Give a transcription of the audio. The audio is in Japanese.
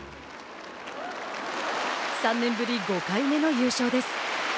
３年ぶり５回目の優勝です。